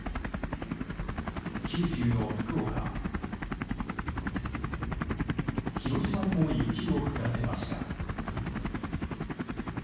九州の福岡広島でも、雪を降らせました。